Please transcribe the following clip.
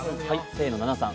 清野菜名さん